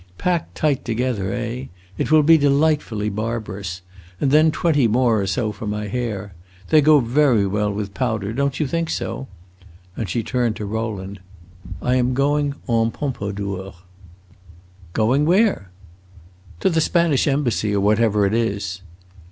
Packed tight together, eh? It will be delightfully barbarous. And then twenty more or so for my hair. They go very well with powder; don't you think so?" And she turned to Rowland. "I am going en Pompadour." "Going where?" "To the Spanish Embassy, or whatever it is."